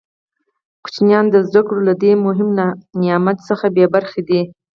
ماشومان د زده کړو له دې مهم نعمت څخه بې برخې دي.